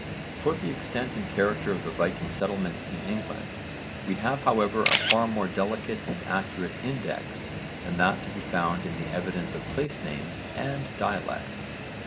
For the extent and character of the Viking settlements in England we have however a far more delicate and accurate index than that to be found in the evidence of place names and dialects.